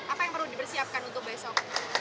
apa yang perlu dipersiapkan untuk besok